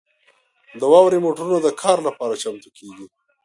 د واورې موټرونه د کار لپاره چمتو کیږي